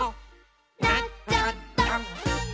「なっちゃった！」